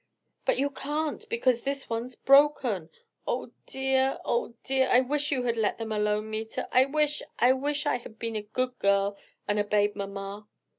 "But you can't; because this one's broken. Oh dear, oh dear! I wish you had let them alone, Meta. I wish, I wish I'd been a good girl and obeyed mamma!"